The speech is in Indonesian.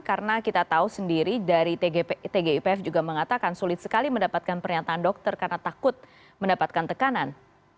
karena kita tahu sendiri dari tgipf juga mengatakan sulit sekali mendapatkan pernyataan dokter karena takut mendapatkan tekanan